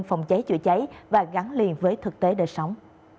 phòng cháy chữa cháy và gắn liền với thực tế đời sống